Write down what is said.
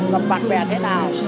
gặp bạn bè thế nào